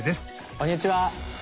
こんにちは！